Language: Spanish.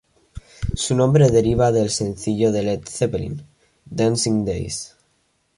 Su nombre deriva del sencillo de Led Zeppelin ""Dancing Days"".